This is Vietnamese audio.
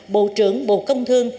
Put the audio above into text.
bộ trưởng bộ công thương